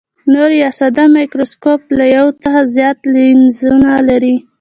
نوري یا ساده مایکروسکوپ له یو څخه زیات لینزونه لري.